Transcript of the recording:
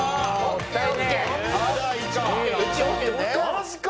マジか！